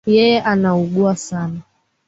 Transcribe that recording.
Yeye anaugua sana.